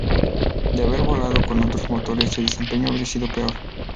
De haber volado con otros motores, su desempeño habría sido peor.